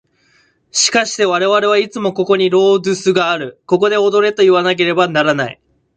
しかして我々はいつもここにロードゥスがある、ここで踊れといわなければならない。